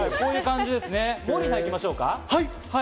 じゃあ、モーリーさん行きましょうか。